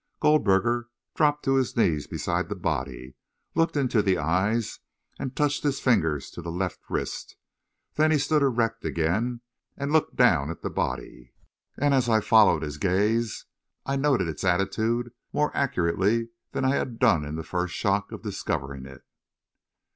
Goldberger dropped to his knees beside the body, looked into the eyes and touched his fingers to the left wrist. Then he stood erect again and looked down at the body, and as I followed his gaze, I noted its attitude more accurately than I had done in the first shock of discovering it.